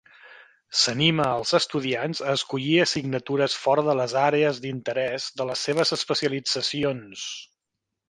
S'anima als estudiants a escollir assignatures fora de les àrees d'interès de les seves especialitzacions.